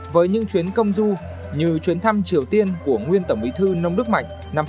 với những chuyến công du như chuyến thăm triều tiên của nguyên tổng bí thư nông đức mạnh năm hai nghìn bảy